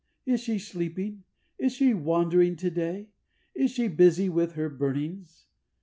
Is she sleeping? Is she wandering to day? Is she busy with her burnings?